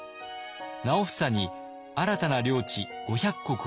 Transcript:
直房に新たな領地５００石を与えます。